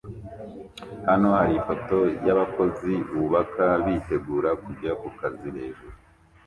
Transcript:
Hano hari ifoto yabakozi bubaka bitegura kujya kukazi hejuru